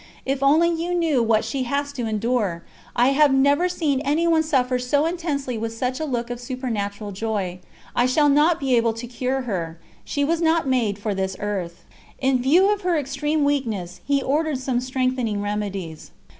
"If only you knew what she has to endure! I have never seen any one suffer so intensely with such a look of supernatural joy. ... I shall not be able to cure her; she was not made for this earth." In view of her extreme weakness, he ordered some strengthening remedies.